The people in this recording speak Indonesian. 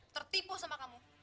tertipu sama kamu